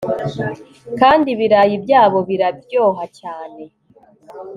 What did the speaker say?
Kandi ibirayi byaho biraryoha cyane